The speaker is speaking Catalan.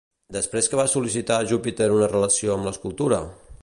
Després que va sol·licitar a Júpiter en relació amb l'escultura?